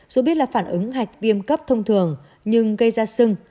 dù biết là phản ứng hạch viêm cấp thông thường nhưng gây ra sưng